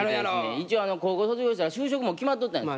一応高校卒業したら就職も決まっとったんです。